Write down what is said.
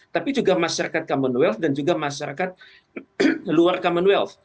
tapi juga masyarakat commonwealth dan juga masyarakat luar commonwealth